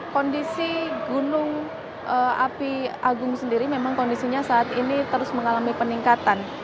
kondisi gunung api agung sendiri memang kondisinya saat ini terus mengalami peningkatan